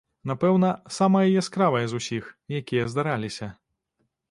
Напэўна, самае яскравае з усіх, якія здараліся.